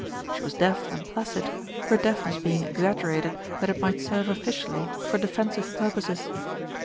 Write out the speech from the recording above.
She was deaf and placid, her deafness being exaggerated that it might serve officially for defensive purposes.